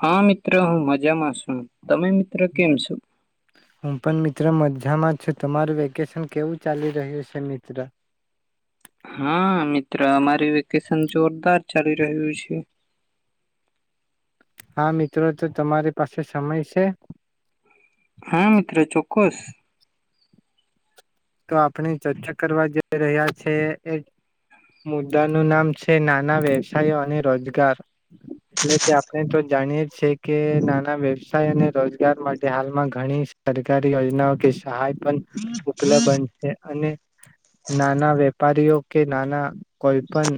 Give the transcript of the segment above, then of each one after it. હા, મિત્ર હું મજામાં છું. તમે મિત્ર કેમ છો, હું પણ મિત્ર મજામાં છો તમારું વેકેશન કેવું ચાલી રહ્યું છે, મિત્ર હા મિત્ર અમારી વેકેશન જોરદાર ચાલી રહ્યું છે, હા મિત્રો તો તમારી પાસે સમય છે? હા, મિત્ર ચોક્કસ તો આપણે ચર્ચા કરવા જઈ રહ્યા છે, એ મુદ્દા ન નામ છે નાના વ્યવસાયો અને રોજગાર એટલે કે આપણે તો જાણીય છે કે નાના વ્યવસાય અને રોજગાર માટે હાલમાં ઘણી સરકારી યોજનાઓ કે સહાય પણ ઉપલબ બંધ છે અને નાના વેપારીઓ કે નાના કોઈ પણ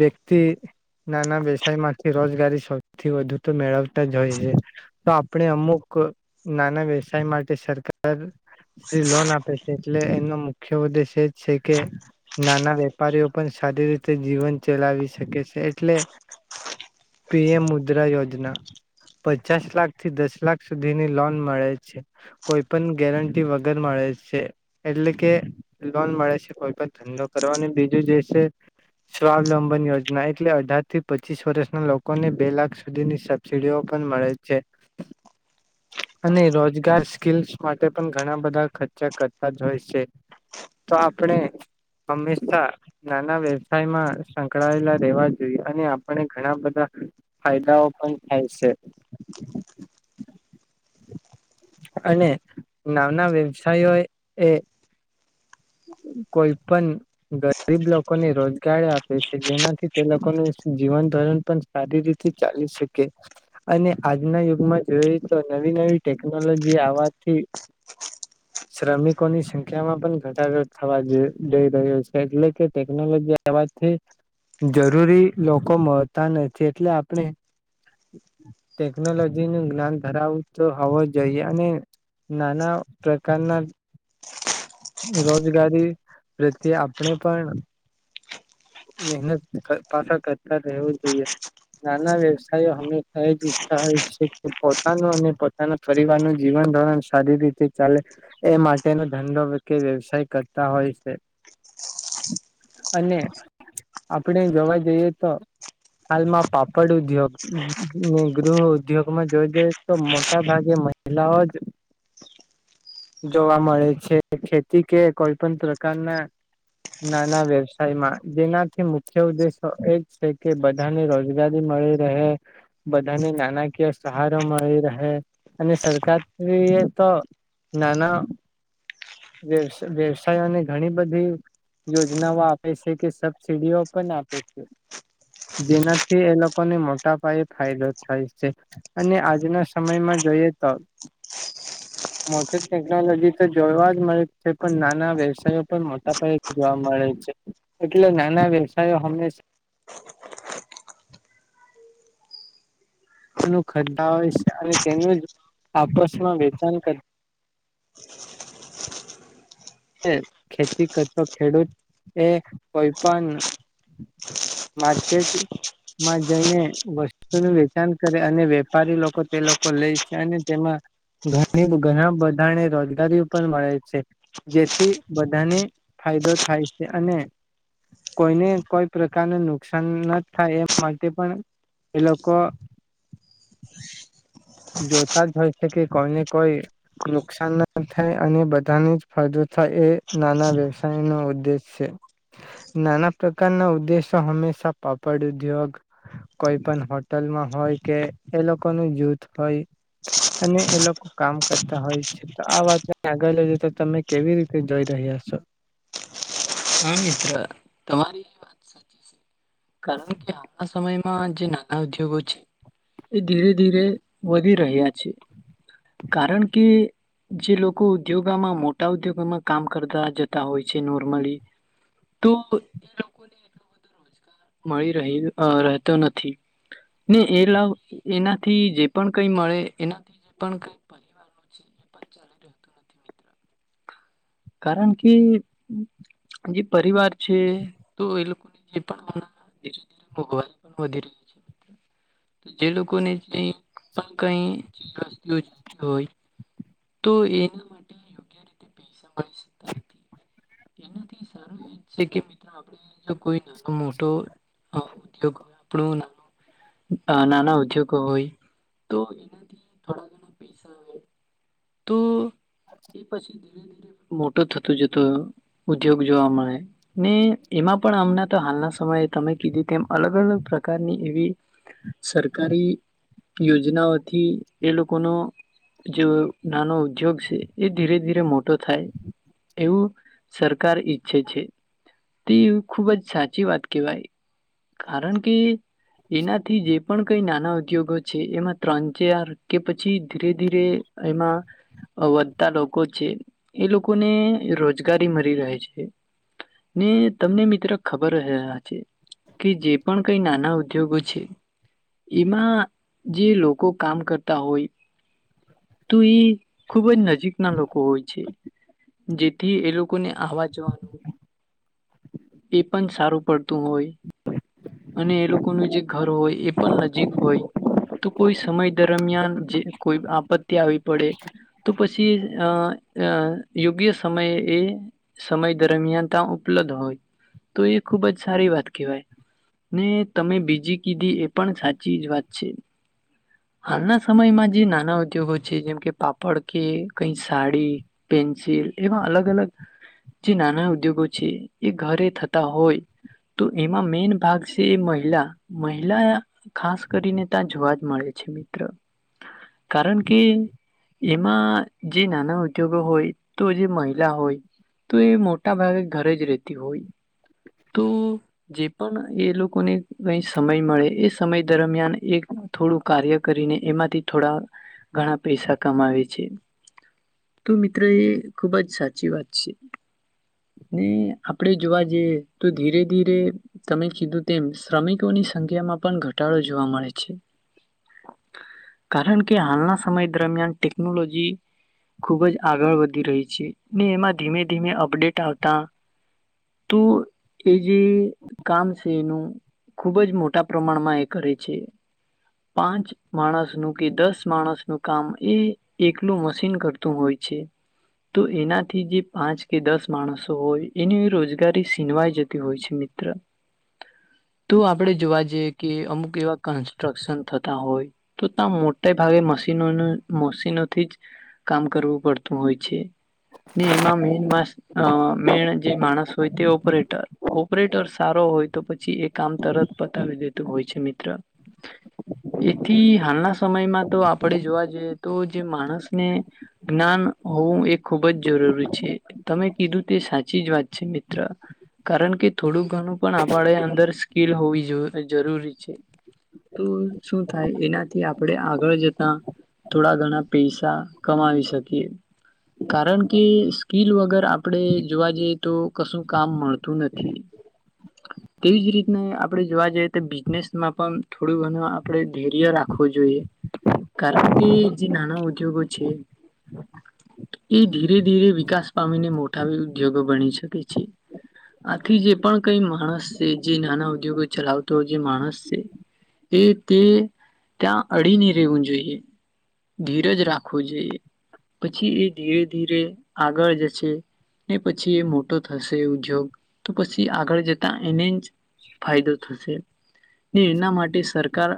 વ્યક્તિ નાના વ્યવસાયમાંથી રોજગારી સૌથી વધુ તો મેળવતા જ હોય છે, તો આપણે અમુક નાના વ્યવસાય માટે સરકાર લોન આપે છે, એટલે એનો મુખ્ય ઉદ્દેશ એ છે, કે નાના વેપારીઓ પણ સારી રીતે જીવન ચલાવી શકે છે એટલે પીએમ મુદ્રા યોજના પચાસ લાખ થી દસ લાખ સુધીની લોન મળે છે. કોઈ પણ ગેરંટી વગર મળે છે, એટલે કે લોન મળે છે કોઈ પણ ધંધો કરવાની, બીજું જે છે સ્વાવલંબન યોજના એટલે અઢાર થી પચીસ વર્ષના લોકોને બે લાખ સુધીની સબસીડીઓ પણ મળે છે અને રોજગાર સ્કલસ માટે પણ ઘણા બધા ખર્ચા કરતા જ હોય છે, તો આપણે હંમેશા નાના વ્યવસાયમાં સંકળાયેલા રહેેવા જોઈએ અને આપણે ઘણા બધા ફાયદાઓ પણ થાય છે. અને નામના વ્યવસાયો એ કોઈ પણ ગરીબ લોકોને રોજગાર આપે છે, જેનાથી તે લોકોનું જીવન ધરણ પણ સારી રીતે ચાલી શકે અને આજના યુગમાં જોઈએ તો નવી નવી ટેકનોલોજી આવવાથી શ્રમિકોની સંખ્યામાં પણ ઘટડો થવા જઈ રહ્યો છે, એટલેકે ટેકનોલોજી આવાથી જરૂરી લોકો મળતા નથી, એટલે આપણે ટેકનોલોજી નું જ્ઞાન ધરાવ તો હોવું જોઈએ અને નાના પ્રકારના રોજગારી પ્રત્યે આપણે પણ મહેનત પાછ કરતા રહેવું જોઈએ. નાના વ્યવસાય હંમેશા એ જ ઈચ્છતા હોય છે કે પોતાનું અને પોતાના પરિવારનું જીવન ધોરણ સારી રીતે ચાલે એ માટેનો ધંધો કે વ્યવસાય કરતા હોય છે અને આપણે જોવા જઈએ તો હાલમાં પાપડ ઉદ્યોગ, ગૃહ ઉદ્યોગમાં જોવા જઈએ તો મોટા ભાગે મહિલાઓ જ જોવા મળે છે. ખેતી કે કોઈ પણ પ્રકારના નાના વ્યવસાયમાં જેનાથી મુખ્ય ઉદ્દેશો એ જ છે કે બધાને રોજગારી મળી રહે બધાને નાણાકીય સહારો મળી રહે અને સરકારએ તો નાના વ્યવસાયોને ઘણી બધી યોજનાઓ આપે છે, કે સબસીડીઓ પણ આપે છે, જેનાથી એ લોકોને મોટા પાયે ફાયદો થાય છે અને આજના સમયમાં જોઈએ તો મોટી ટેકનોલોજી તો જોવા જ મળે છે, પણ નાના વ્યવસાયો પણ મોટા પાયે જોવા મળે છે, એટલે નાના વ્યવસાયો હમેશા નું ખરધા હોય છે અને તેનું જ આપસમાં વેચાણ કર ખેતી કરતો ખેડૂત એ કોઈ પણ માર્કેટ માં જઈને વસ્તુનું વેચાણ કરે અને વેપારી લોકો તે લોકો લે છે અને તેમાં ઘણી ઘણા બધાને રોજગારી પણ મળે છે. જેથી બધાને ફાયદો થાય છે અને કોઈને કોઈ પ્રકારને નુકસાન ન થાય, એ માટે પણ એ લોકો જોતા જ હોય છે કે કોઈને કોઈ નુકસાન ના થાય અને બધાને જ ફાયદો થાય એ નાના વ્યવસાય નો ઉદ્દેશ છે. નાના પ્રકારના ઉદ્દેશો હંમેશા પાપડ ઉદ્યોગ, કોઈ પણ હોટલમાં હોય કે એ લોકોનું જૂથ હોય અને એ લોકો કામ કરતા હોય છે, તો આ વાતને આગળ લઈ જે તો તમે કેવી રીતે જોઈ રહ્યા છો? હા, મિત્ર તમારી વાત સાચી છે. કારણકે હાલના સમય માં જે નાના ઉદ્યોગો છે, એ ધીરે ધીરે વધી રહ્યા છે. કારણકે જે લોકો ઉદ્યોગમાં, મોટા ઉદ્યોગમાં કામ કરતા જતા હોય છે નોર્મલી તો એ લોકો ને એટલું બધું રોજ મળી રહી, રહેતો નથી, ને એ લાવ એનાથી જે પણ કઈ મળે એનાથી પણ કઈ પરિવારો નું છે, એ પણ ચાલી કારણકે જે પરિવાર છે તો એ લોકો [inaudible] મોઘવાડી પણ વધી રહ છે, તો જે લોકોને જે પણ વસ્તુ જોઈતી હોય તો એના માટે યોગ્ય રીતે પૈસા [unintelligible] સખ્તા નથી. એનાથી સારું એ જ છે કે મિત્રો આપડે કોઈ નાનો મોટો ઉદ્યોગ હોય આપડુ નાનું નાના ઉદ્યોગો હોય, તો એનાથી થોડા ઘણા પૈસા હોય. તો એ પછી ધીરે ધીરે મોટો થતો જતો ઉદ્યોગ જોવા મળે, ને એમાં પણ આમના તો હાલના સમયે તમે કીધી તેમ અલગ અલગ પ્રકારની એવી સરકારી યોજનાઓથી એ લોકોનો જે નાનો ઉદ્યોગ છે એ ધીરે ધીરે મોટો થાય એવું સરકાર ઈચ્છે છે તે ખૂબજ સાચી વાત કવાય, કારણકે એનાથી જે પણ કઈ નાના ઉદ્યોગો છે એમાં ત્રણ ચાર, કે પછી ધીરે ધીરે એમાં વધતા લોકો છે એ લોકોને રોજગારી મળી રહે છે, ને તમને મિત્ર ખબર રહ્યા છે, કે જે પણ કઈ નાના ઉદ્યોગો છે, એમાં જે લોકો કામ કરતા હોય તો એ ખુબજ નજીકના લોકો હોય છે, જેથી એ લોકોને આવા જવાનું એ પણ સારું પડતું હોય અને એ લોકોનું જે ઘર હોય એ પણ નજીક હોય તો કોઈ સમય દરમિયાન જે કોઈ આપત આવી પડે તો પછી અ યોગ્ય સમય એ સમય દરમિયાન ત્યાં ઉપલબ્ધ હોય, તો એ ખૂબજ સારી વાત કહેવાય, ને તમે બીજી કીધી એ પણ સાચી જ વાત છે. હાલના સમયમાં જે નાના ઉદ્યોગો જેમ કે પાપડ કે કઈ સાડી, પેન્સિલ, એવા અલગ અલગ જે નાના ઉદ્યોગો છે એ ઘરે થતા હોય, તો એમાં મેન ભાગ છે એ મહિલા, મહિલા ખાસ કરીને ત્યાં જોવા જ મળે છે મિત્ર કારણકે કે એમાં જે નાના ઉદ્યોગો હોય તો જે મહિલા હોય, તો એ મોટા ભાગે ઘરેજ રહેતી હોય, તો જે પણ એ લોકોને કઈ સમય મળે એ સમય દરમિયાન એ થોડું કાર્ય કરીને એમાંથી થોડા ઘણા પૈસા કમાવે છે, તો મિત્રો એ ખુબજ સાચી વાત છે, ને આપડે જોવા જઈએ તો ધીરે ધીરે તમે કીધું તેમ શ્રમિકોની સંખ્યામાં પણ ઘટાડો જોવા મળે છે, કારણકે હાલના સમય દરમિયાન ટેકનોલોજી ખૂબજ આગળ વધી રહી છે ને એમાં ધીમે ધીમે અપડેટ આવતા, તો એ જે કામ છે એનું ખુબજ મોટા પ્રમાણમાં એ કરે છે, પાંચ માણસનું કે દસ માણસ નું કામ એ એકલું મશીન કરતું હોય છે, તો એનાથી જે પાંચ કે દસ માણસો હોય એની રોજગારી સીનવાઈ જતી હોય છે મિત્ર, તો આપડે જોવા જઈએ કે અમુક એવા કન્સ્ટ્રક્શન થતા હોય, તો ત્યાં મોટા ભાગે મશીન મોશીનોથી જ કામ કરવું પડતું હોય છે ને એમાં મેન મા અ મેન જે માણસ હોય તે ઓપરેટર ઓપરેટર સારો હોય તો પછી એ કામ તરત પતાવી દેતું હોય છે મિત્ર એથી હાલના સમયમાં તો આપણે જોવા જઈએ તો જે માણસને જ્ઞાન હોવું એ ખૂબ જ જરૂરી છે તમે કીધું તે સાચી જ વાત છે મિત્ર કારણ કે થોડુંક ઘણું પણ આપણે અંદર સ્કીલ હોવી જરૂરી છે તો શું થાય એનાથી આપણે આગળ જતા થોડા ઘણા પૈસા કમાવી શકીએ કારણ કે સ્કીલ વગર આપણે જોવા જઈએ તો કશું કામ મળતું નથી તેવીજ રીતને આપણે જોવા જઈએ તો બિઝનેસમાં પણ થોડું ઘણું આપણે ધૈર્ય રાખવું જોઈએ કારણ કે જે નાના ઉદ્યોગો છે એ ધીરે ધીરે વિકાસ પામીને મોટા ઉદ્યોગો બની શકે છે આથી જે પણ કઈ માણસ છે જે નાના ઉદ્યોગો ચલાવતો જે માણસ છે એ તે ત્યાં અડીને રહેવું જોઈએ ધીરજ રાખવું જોઈએ પછી એ ધીરે ધીરે આગળ જશે ને પછી એ મોટો થશે ઉદ્યોગ તો પછી આગળ જતા એને જ ફાયદો થશે એના માટે સરકાર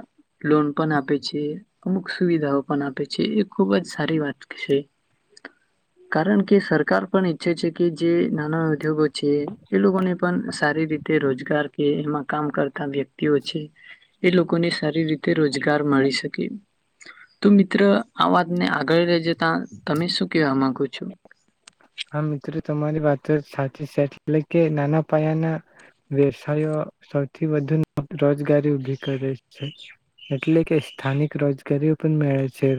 લોન પણ આપે છે અમુક સુવિધાઓ પણ આપે છે ખુબ જ સારી વાત છે કારણ કે સરકાર પણ ઈચ્છે છે કે જે નાના ઉદ્યોગો છે એ લોકોને પણ સારી રીતે રોજગાર કે એમાં કામ કરતા વ્યક્તિઓ છે એ લોકોને સારી રીતે રોજગાર મળી શકે તો મિત્ર આ વાતને આગળ લઈ જતા તમે શું કેવા માંગો છો હા મિત્રો તમારી વાતો સાચી છે એટલે કે નાના પાયાના વ્યવસાયો સૌથી વધુ રોજગારી ઉભી કરે છે એટલે કે સ્થાનિક રોજગારી પણ મડે છે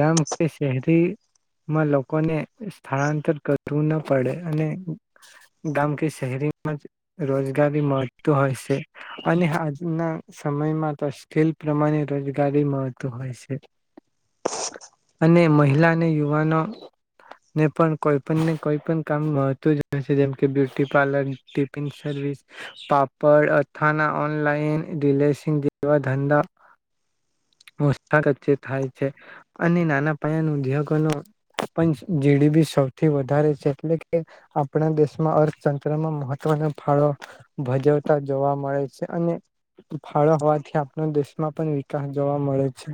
ગામ કે શહેરીમાં લોકોને સ્થળાંતર કરવું ના પડે અને ગામ કે શહેરીમાં જ રોજગારી મળતું હોય છે અને આજના સમયમાં તો સ્કિલ પ્રમાણે રોજગારી મળતું હોય છે અને મહિલા અને યુવાનોને પણ કોઈ ને કોઈ પણ કામ મહત્વ છે જેમકે બ્યુટી પાર્લર ટિફિન સર્વિસ પાપડ અથાના ઓનલાઈન રિલેસંગ જેવા ધંધાચચે થાય છે અને નાના પાયાન ઉદ્યોગોનો જીડીપી શો થી વધારે છે એટલે કે આપણા દેશમાં અર્થતંત્રમાં મહત્વનો ફાળો ભજવતા જોવા મળે છે અને ફાળો હોવાથી આપણા દેશમાં પણ વિકાસ જોવા મળે છે